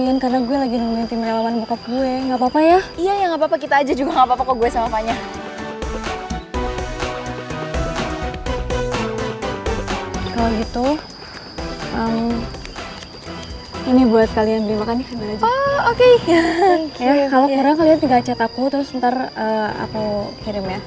ya kalau kurang kalian tinggal cet aku terus ntar aku kirim ya